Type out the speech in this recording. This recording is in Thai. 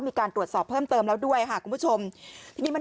มีการตรวจสอบเพิ่มเติมแล้วด้วยค่ะคุณผู้ชมทีนี้มัน